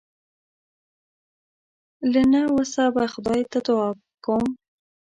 له نه وسه به خدای ته دعا کوم.